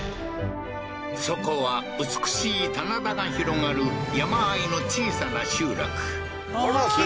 そこは美しい棚田が広がる山あいの小さな集落あらすてき